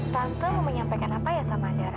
tante mau menyampaikan apa ya sama darah